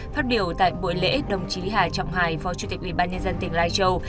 phát biểu tại buổi lễ đồng chí hà trọng hải phó chủ tịch ủy ban nhân dân tỉnh lai châu